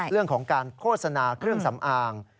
เรื่องของการโฆษณาเครื่องสำอาง